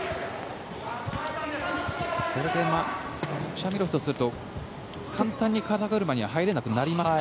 これでシャミロフとすると簡単に肩車には入れなくなりますか。